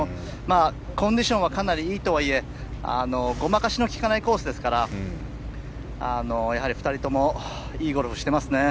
コンディションはかなりいいとはいえごまかしのきかないコースですから２人ともいいゴルフをしていますね。